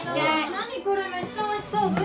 何これめっちゃおいしそうブリ？